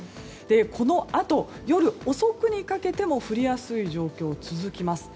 このあと、夜遅くにかけても降りやすい状態が続きます。